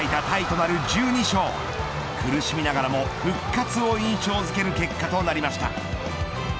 そして自身最多タイとなる１２勝苦しみながらも復活を印象づける結果となりました。